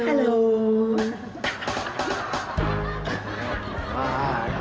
beda kek goceng aja